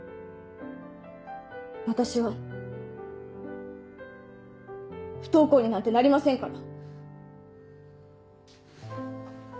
私は不登校になんてなりませんから。